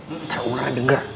nanti ular denger